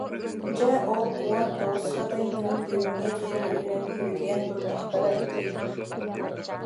Дьэ ол уон тоҕус хатыҥ күн бүгүҥҥэ диэри үүнэн күөгэйэн турдахтара ити.